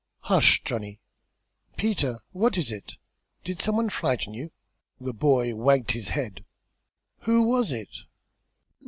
"Hush, Johnny! Peter, what is it? Did some one frighten you?" The boy wagged his head. "Who was it?"